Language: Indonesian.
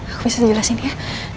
aku bisa jelasin ya